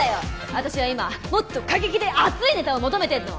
私は今もっと過激で熱いネタを求めてんの。